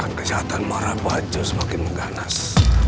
ada yang mau saya tunjukin ke bapak